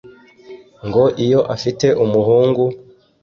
Ngo iyo afite umuhungu